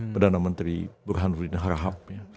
perdana menteri burhanuddin harahab